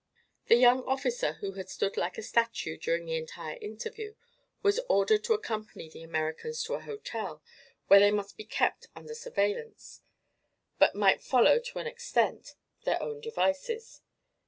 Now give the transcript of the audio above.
The young officer, who had stood like a statue during the entire interview, was ordered to accompany the Americans to a hotel, where they must be kept under surveillance but might follow, to an extent, their own devices.